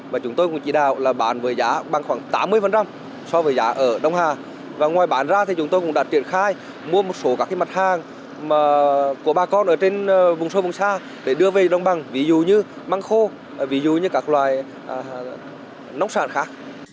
và chúng tôi cũng chỉ đạo là bán với giá bằng khoảng tám mươi so với giá ở đông hà và ngoài bán ra thì chúng tôi cũng đã triển khai mua một số các mặt hàng của bà con ở trên vùng sâu vùng xa để đưa về đồng bằng ví dụ như măng khô ví dụ như các loài nông sản khác